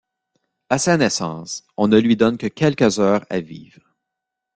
À sa naissance, on ne lui donne que quelques heures à vivre.